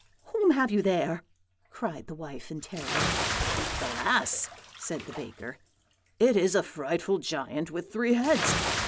whom have you there?' cried the wife in terror. "'Alas!' said the baker; 'it is a frightful giant with three heads.